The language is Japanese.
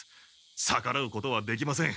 さからうことはできません。